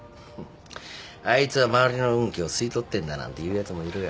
あいつは周りの運気を吸い取ってんだなんて言うやつもいるよ。